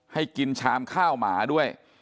ให้กินชามข้าวหมาด้วย